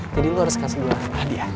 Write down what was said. jadi lo harus kasih gue hadiah